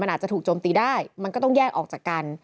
อาจจะถูกโจมตีได้มันก็ต้องแยกออกจากกัน